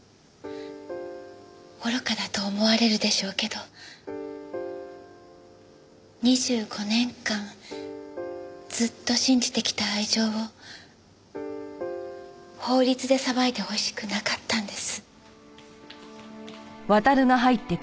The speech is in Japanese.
愚かだと思われるでしょうけど２５年間ずっと信じてきた愛情を法律で裁いてほしくなかったんです。